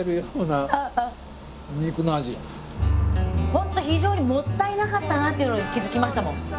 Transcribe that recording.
本当非常にもったいなかったなというのに気付きましたもん。